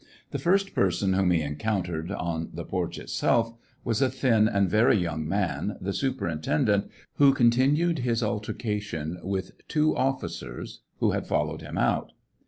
The first person whom he encountered, on the porch itself, was a thin and very young man, the superintendant, who contin ued his altercation with two officers, who had fol lowed him out.